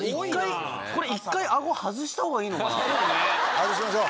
外しましょう。